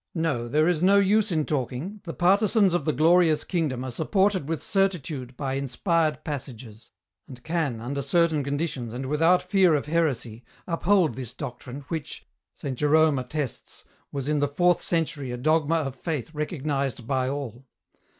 No, there is no use in talking, the partisans of the glorious kingdom are supported with certitude by inspired passages, and can, under certain conditions and without fear of heresy, uphold this doctrine, which, Saint Jerome attests, was in the fourth century a dogma of faith recognized by all.